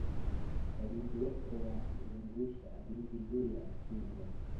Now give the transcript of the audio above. Wa binti weko na lungusha bitu juya simu